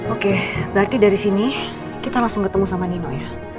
oke berarti dari sini kita langsung ketemu sama nino ya